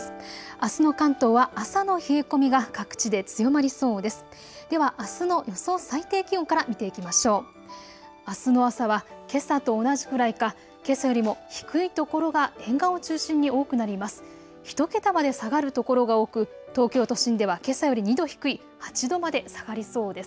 あすの関東は朝の冷え込みが各地で強まりそうです。